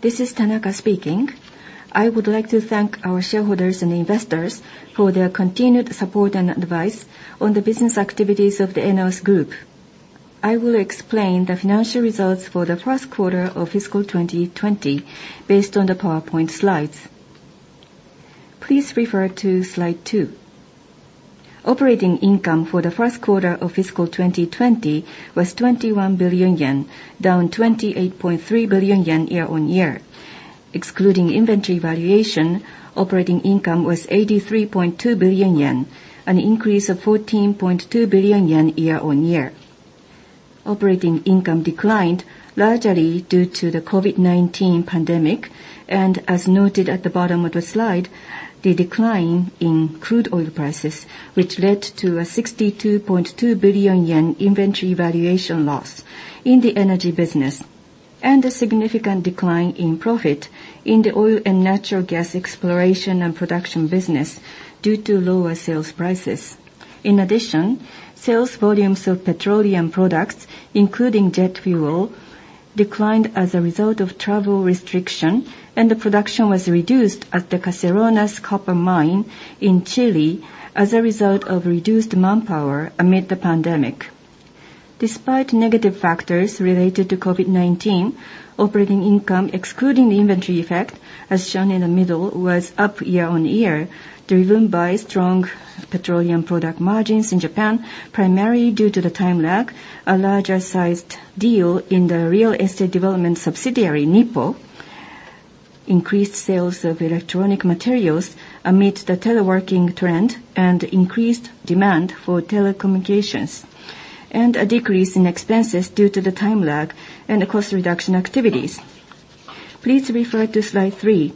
This is Tanaka speaking. I would like to thank our shareholders and investors for their continued support and advice on the business activities of the ENEOS Group. I will explain the financial results for the first quarter of fiscal 2020 based on the PowerPoint slides. Please refer to slide two. Operating income for the first quarter of fiscal 2020 was 21 billion yen, down 28.3 billion yen year-on-year. Excluding inventory valuation, operating income was 83.2 billion yen, an increase of 14.2 billion yen year-on-year. Operating income declined largely due to the COVID-19 pandemic, and as noted at the bottom of the slide, the decline in crude oil prices, which led to a 62.2 billion yen inventory valuation loss in the energy business, and a significant decline in profit in the oil and natural gas exploration and production business due to lower sales prices. Sales volumes of petroleum products, including jet fuel, declined as a result of travel restriction, and the production was reduced at the Caserones Copper Mine in Chile as a result of reduced manpower amid the pandemic. Despite negative factors related to COVID-19, operating income, excluding the inventory effect, as shown in the middle, was up year-on-year, driven by strong petroleum product margins in Japan, primarily due to the time lag, a larger-sized deal in the real estate development subsidiary, NIPPO, increased sales of electronic materials amid the teleworking trend, and increased demand for telecommunications, and a decrease in expenses due to the time lag and cost reduction activities. Please refer to slide three.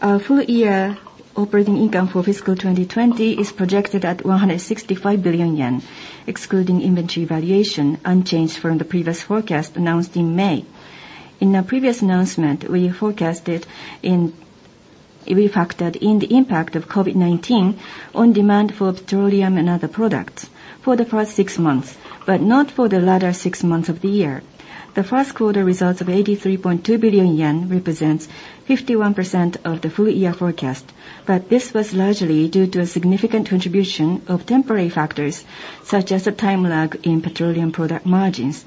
Our full year operating income for fiscal 2020 is projected at 165 billion yen, excluding inventory valuation, unchanged from the previous forecast announced in May. In our previous announcement we factored in the impact of COVID-19 on demand for petroleum and other products for the first six months, but not for the latter six months of the year. The first quarter results of 83.2 billion yen represents 51% of the full year forecast, but this was largely due to a significant contribution of temporary factors, such as the time lag in petroleum product margins.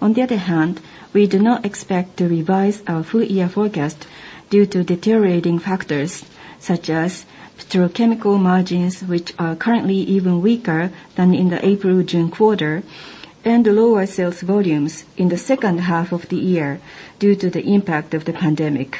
On the other hand, we do not expect to revise our full year forecast due to deteriorating factors such as petrochemical margins, which are currently even weaker than in the April/June quarter, and lower sales volumes in the second half of the year due to the impact of the pandemic.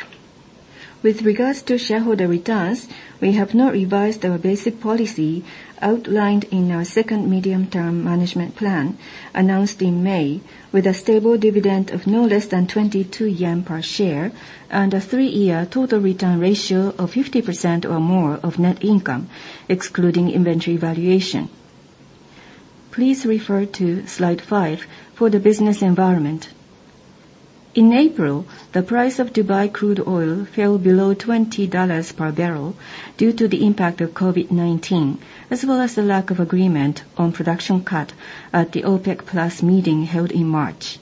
With regards to shareholder returns, we have not revised our basic policy outlined in our second Medium-Term Management Plan announced in May, with a stable dividend of no less than 22 yen per share and a three-year total return ratio of 50% or more of net income, excluding inventory valuation. Please refer to slide five for the business environment. In April, the price of Dubai crude oil fell below $20 per barrel due to the impact of COVID-19, as well as the lack of agreement on production cut at the OPEC+ meeting held in March.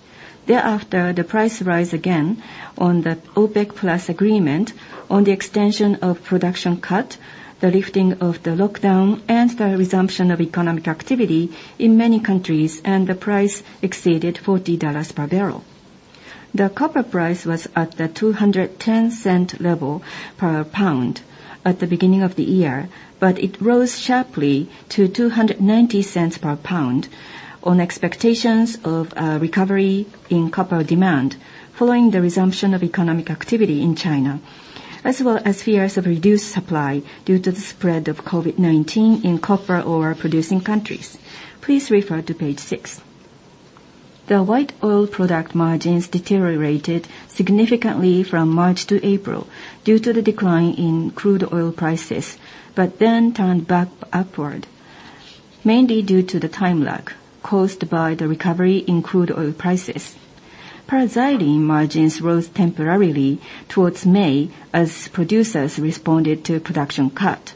Thereafter, the price rise again on the OPEC+ agreement on the extension of production cut, the lifting of the lockdown, and the resumption of economic activity in many countries, and the price exceeded $40 per barrel. The copper price was at the $2.10 per pound level at the beginning of the year, but it rose sharply to $2.90 per pound on expectations of a recovery in copper demand following the resumption of economic activity in China, as well as fears of reduced supply due to the spread of COVID-19 in copper ore-producing countries. Please refer to page six. The white oil product margins deteriorated significantly from March to April due to the decline in crude oil prices, but then turned back upward, mainly due to the time lag caused by the recovery in crude oil prices. Paraxylene margins rose temporarily towards May as producers responded to a production cut,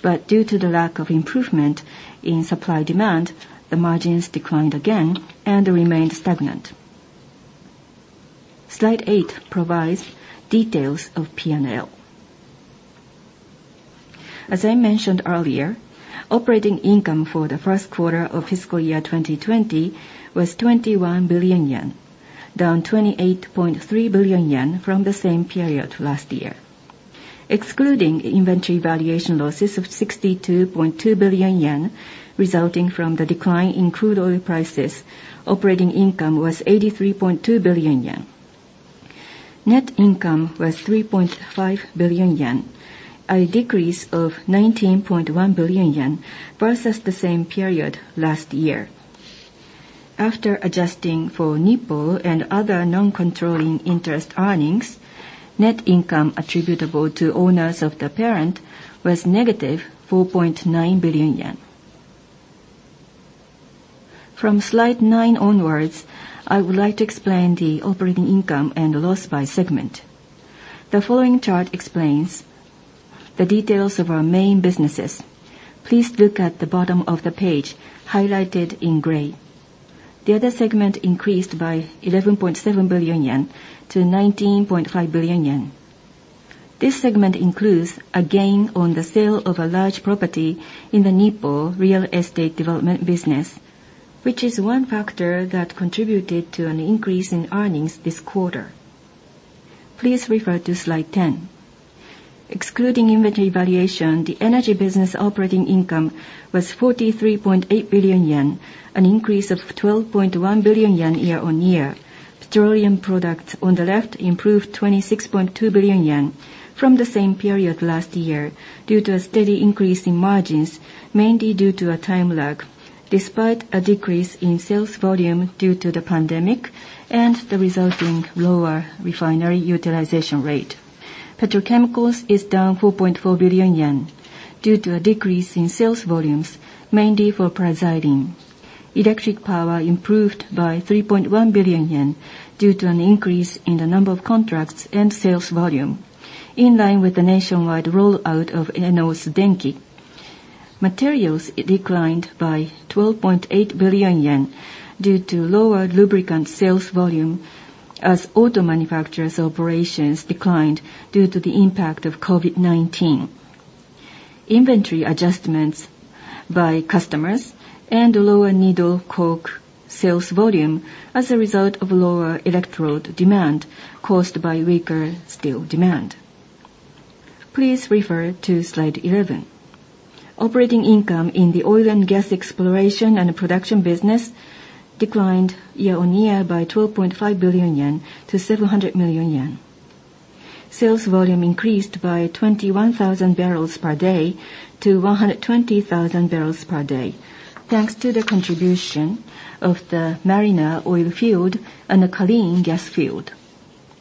but due to the lack of improvement in supply-demand, the margins declined again and remained stagnant. Slide eight provides details of P&L. As I mentioned earlier, operating income for the first quarter of fiscal year 2020 was 21 billion yen, down 28.3 billion yen from the same period last year. Excluding inventory valuation losses of 62.2 billion yen resulting from the decline in crude oil prices, operating income was 83.2 billion yen. Net income was 3.5 billion yen, a decrease of 19.1 billion yen versus the same period last year. After adjusting for NIPPO and other non-controlling interest earnings, net income attributable to owners of the parent was negative 4.9 billion yen. From slide nine onwards, I would like to explain the operating income and loss by segment. The following chart explains the details of our main businesses. Please look at the bottom of the page, highlighted in gray. The other segment increased by 11.7 billion yen to 19.5 billion yen. This segment includes a gain on the sale of a large property in the NIPPO real estate development business, which is one factor that contributed to an increase in earnings this quarter. Please refer to slide 10. Excluding inventory valuation, the energy business operating income was 43.8 billion yen, an increase of 12.1 billion yen year-on-year. Petroleum products on the left improved 26.2 billion yen from the same period last year due to a steady increase in margins, mainly due to a time lag, despite a decrease in sales volume due to the pandemic and the resulting lower refinery utilization rate. Petrochemicals is down 4.4 billion yen due to a decrease in sales volumes, mainly for paraxylene. Electric power improved by 3.1 billion yen due to an increase in the number of contracts and sales volume, in line with the nationwide rollout of ENEOS Denki. Materials declined by 12.8 billion yen due to lower lubricant sales volume as auto manufacturers' operations declined due to the impact of COVID-19, inventory adjustments by customers, and lower needle coke sales volume as a result of lower electrode demand caused by weaker steel demand. Please refer to slide 11. Operating income in the oil & gas exploration and production business declined year-on-year by 12.5 billion yen to 700 million yen. Sales volume increased by 21,000 barrels per day to 120,000 barrels per day, thanks to the contribution of the Mariner oil field and the [Kalin] gas field,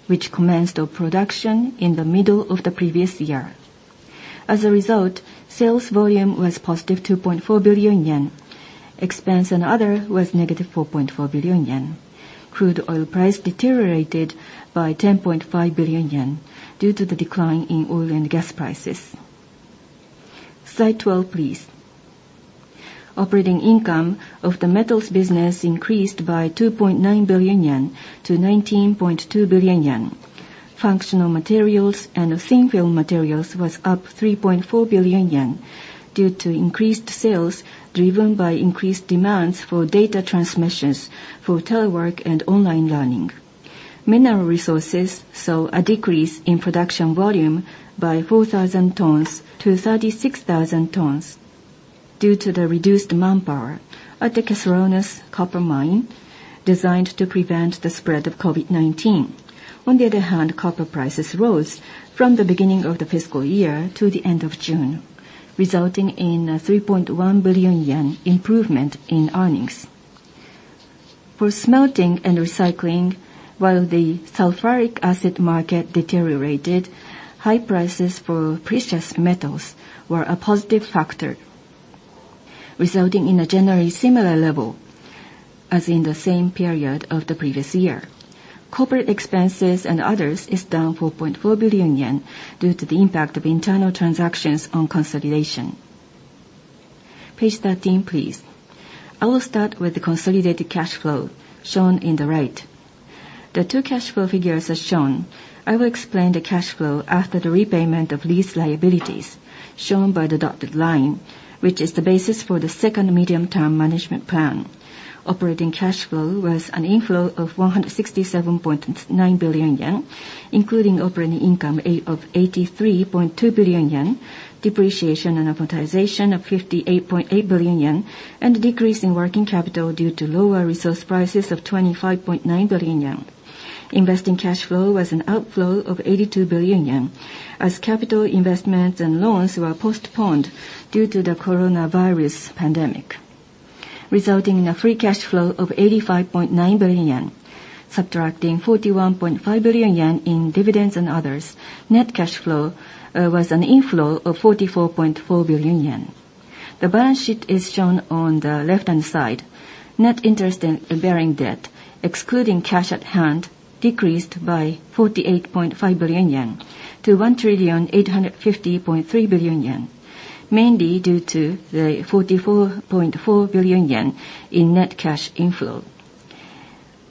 which commenced production in the middle of the previous year. As a result, sales volume was positive 2.4 billion yen. Expense and other was negative 4.4 billion yen. Crude oil price deteriorated by 10.5 billion yen due to the decline in oil and gas prices. Slide 12, please. Operating income of the metals business increased by 2.9 billion yen to 19.2 billion yen. Functional materials and thin film materials was up 3.4 billion yen due to increased sales, driven by increased demands for data transmissions for telework and online learning. Mineral resources saw a decrease in production volume by 4,000 tons to 36,000 tons due to the reduced manpower at the Caserones copper mine, designed to prevent the spread of COVID-19. On the other hand, copper prices rose from the beginning of the fiscal year to the end of June, resulting in a 3.1 billion yen improvement in earnings. For smelting and recycling, while the sulfuric acid market deteriorated, high prices for precious metals were a positive factor, resulting in a generally similar level as in the same period of the previous year. Corporate expenses and others is down 4.4 billion yen due to the impact of internal transactions on consolidation. Page 13, please. I will start with the consolidated cash flow shown in the right. The two cash flow figures are shown. I will explain the cash flow after the repayment of lease liabilities, shown by the dotted line, which is the basis for the second Medium-Term Management Plan. Operating cash flow was an inflow of 167.9 billion yen, including operating income of 83.2 billion yen, depreciation and amortization of 58.8 billion yen, and a decrease in working capital due to lower resource prices of 25.9 billion yen. Investing cash flow was an outflow of 82 billion yen as capital investments and loans were postponed due to the coronavirus pandemic, resulting in a free cash flow of 85.9 billion yen. Subtracting 41.5 billion yen in dividends and others, net cash flow was an inflow of 44.4 billion yen. The balance sheet is shown on the left-hand side. Net interest-bearing debt, excluding cash at hand, decreased by 48.5 billion yen to 1,850.3 billion yen, mainly due to the 44.4 billion yen in net cash inflow.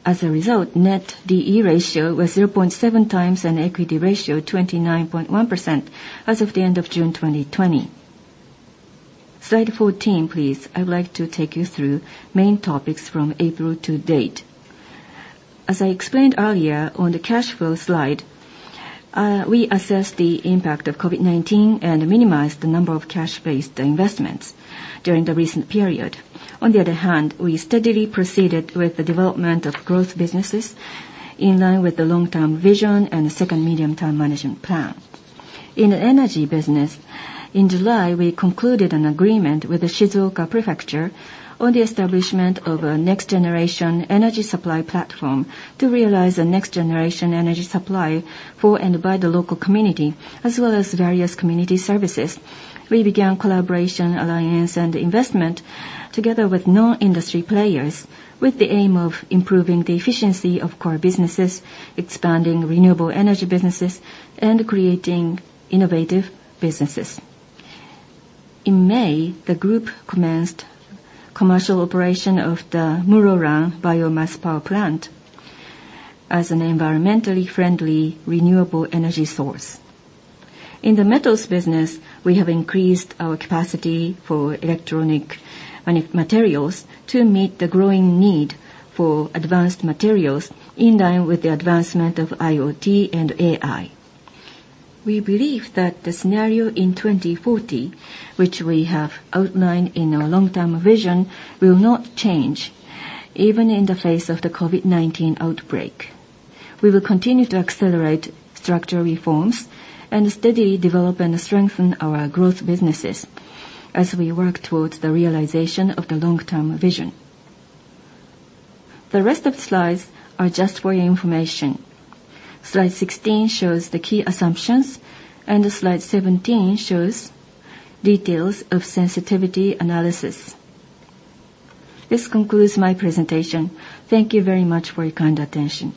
As a result, net D/E ratio was 0.7x, and equity ratio 29.1% as of the end of June 2020. Slide 14, please. I would like to take you through main topics from April to date. As I explained earlier on the cash flow slide, we assessed the impact of COVID-19 and minimized the number of cash-based investments during the recent period. On the other hand, we steadily proceeded with the development of growth businesses in line with the long-term vision and the second Medium-Term Management Plan. In the energy business, in July, we concluded an agreement with the Shizuoka Prefecture on the establishment of a next-generation energy supply platform to realize a next-generation energy supply for and by the local community, as well as various community services. We began collaboration, alliance, and investment together with non-industry players with the aim of improving the efficiency of core businesses, expanding renewable energy businesses, and creating innovative businesses. In May, the Group commenced commercial operation of the Muroran biomass power plant as an environmentally friendly renewable energy source. In the metals business, we have increased our capacity for electronic materials to meet the growing need for advanced materials in line with the advancement of IoT and AI. We believe that the scenario in 2040, which we have outlined in our long-term vision, will not change even in the face of the COVID-19 outbreak. We will continue to accelerate structural reforms and steadily develop and strengthen our growth businesses as we work towards the realization of the long-term vision. The rest of the slides are just for your information. Slide 16 shows the key assumptions, and slide 17 shows details of sensitivity analysis. This concludes my presentation. Thank you very much for your kind attention.